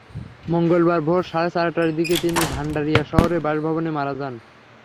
মঙ্গলবার ভোর সাড়ে চারটার দিকে তিনি ভান্ডারিয়া শহরের বাসভবনে মারা যান।